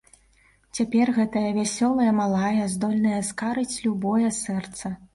Цяпер гэтая вясёлая малая здольная скарыць любое сэрца.